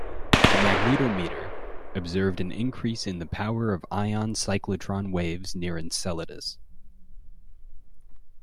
The magnetometer observed an increase in the power of ion cyclotron waves near Enceladus.